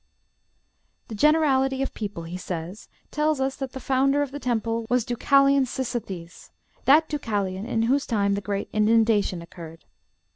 "The generality of people," he says, "tells us that the founder of the temple was Deucalion Sisythes that Deucalion in whose time the great inundation occurred.